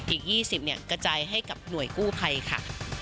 อีก๒๐กระจายให้กับหน่วยกู้ภัยค่ะ